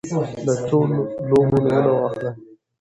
د څو لوبو نومونه واخلی ؟